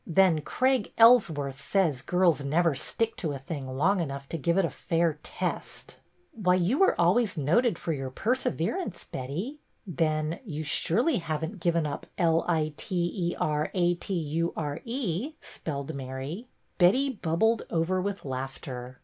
Then Craig Ellsworth says girls never stick to a thing long enough to give it a fair test." Why, you were always noted for your per severance, Betty. Then you surely have n't given up 1 i t e r a t u r e? " spelled Mary. Betty bubbled over with laughter.